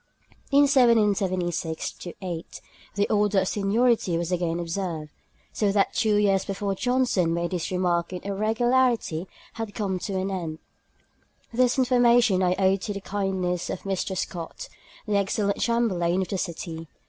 In 1776 8 the order of seniority was again observed; so that two years before Johnson made his remark the irregularity had come to an end. This information I owe to the kindness of Mr. Scott, the excellent Chamberlain of the City.